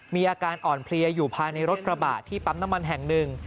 มีอาการอ่อนเพลียอยู่ภายในรถกระบะที่ปั๊มน้ำมันแห่งหนึ่ง